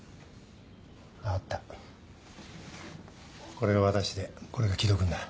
これが私でこれが木戸君だ。